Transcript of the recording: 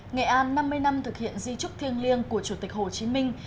nghệ an năm mươi năm thực hiện di trúc thiêng liêng của chủ tịch hồ chí minh